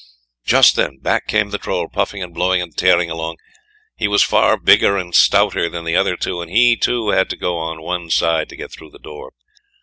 Just then back came the Troll puffing and blowing and tearing along. He was far bigger and stouter than the other two, and he too had to go on one side to get through the door.